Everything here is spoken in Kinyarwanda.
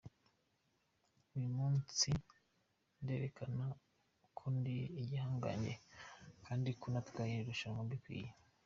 Uyu munsi nderekana ko ndi igihangange kandi ko natwaye iri rushanwa mbikwiye”.